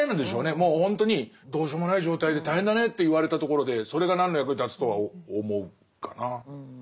もうほんとにどうしようもない状態で大変だねと言われたところでそれが何の役に立つとは思うかな。